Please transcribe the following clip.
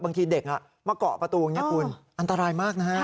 บางทีเด็กมาเกาะประตูอย่างนี้คุณอันตรายมากนะฮะ